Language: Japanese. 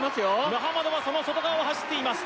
ムハマドはその外側を走っています